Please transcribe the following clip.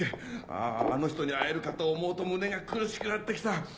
あぁあの人に会えるかと思うと胸が苦しくなって来た！